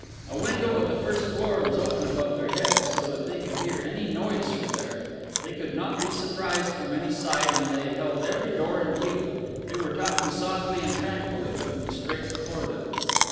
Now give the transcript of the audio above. A window of the first floor was open above their heads, so that they could hear any noise from there. They could not be surprised from any side, and they held every door in view. They were talking softly and tranquilly, looking straight before them.